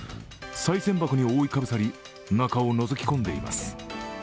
さい銭箱に覆いかぶさり中をのぞき込んでいます。